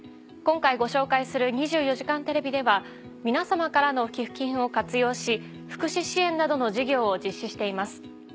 今回ご紹介する『２４時間テレビ』では皆様からの寄付金を活用し福祉支援などの事業を実施しています。